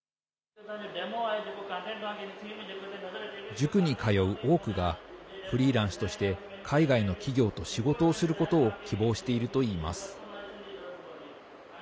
塾に通う多くがフリーランスとして海外の企業と仕事をすることを希望しているといいます。